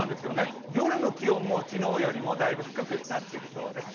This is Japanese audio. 夜の気温も昨日よりもだいぶ低くなってきそうです。